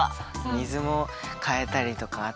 水もかえたりとかあったし。